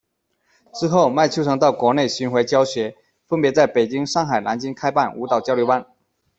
之后，麦秋成到国内巡回教学，分别在北京、上海、南京开办舞蹈交流班。